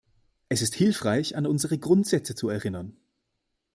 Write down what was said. Es ist hilfreich, an unsere Grundsätze zu erinnern.